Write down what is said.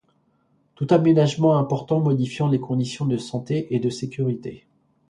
tout aménagement important modifiant les conditions de santé et de sécurité